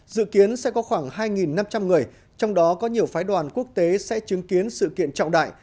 dự kiến sẽ có khoảng hai năm trăm linh người trong đó có nhiều phái đoàn quốc tế sẽ chứng kiến sự kiện trọng đại